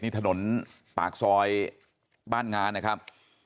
นี่ถนนปากซอยบ้านงานนะครับ